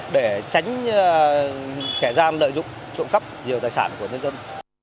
để tránh kẻ gian lợi dụng trộm khắp nhiều tài sản của nhân dân